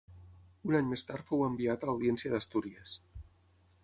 Un any més tard fou enviat a l'Audiència d'Astúries.